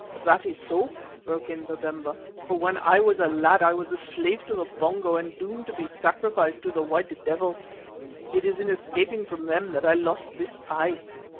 "That is so," broke in Babemba, "for when I was a lad I was a slave to the Pongo and doomed to be sacrificed to the White Devil. It was in escaping from them that I lost this eye."